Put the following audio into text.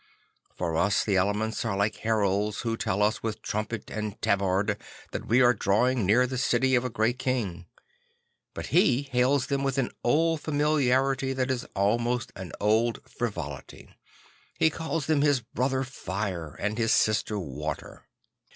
For us the elements are like heralds who tell us with trumpet and tabard that we are drawing near the city of a great king; but he hails them with an old familiarity that is almost an old Le Jongleur de Dieu 87 frivolity. He calls them his Brother Fire and his Sister Water.